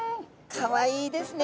かわいいですね。